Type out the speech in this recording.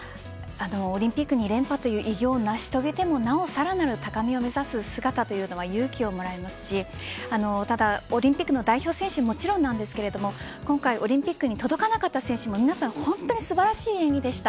オリンピック２連覇という偉業を達成してもなおさらなる高みを目指す姿というのは勇気をもらえますしオリンピックの代表選手ももちろんですがオリンピックに届かなかった選手も皆さん本当に素晴らしい演技でした。